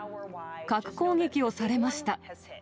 核攻撃をされました。ＯＫ？